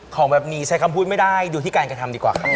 ของแบบนี้ใช้คำพูดไม่ได้ดูที่การกระทำดีกว่าครับ